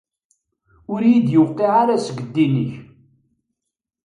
Ur iyi-d-tewqiɛ ara seg ddin-ik.